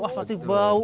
ah pasti bau